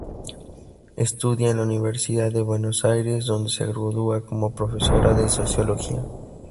Estudia en la Universidad de Buenos Aires, donde se gradúa como profesora de Sociología.